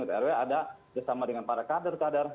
rw ada bersama dengan para kader kader